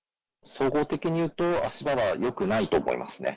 総合的に言うと、足場はよくないと思いますね。